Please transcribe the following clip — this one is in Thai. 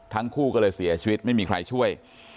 ทั้งคู่ก็เลยเสียชีวิตไม่มีใครช่วย